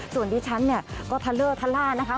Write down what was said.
ส่วนดิฉันก็ทะเล่อทะล่านะคะ